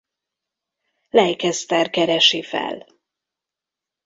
Leicester keresi fel.